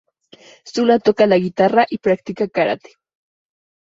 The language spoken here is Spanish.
Sula toca la guitarra y practica Karate.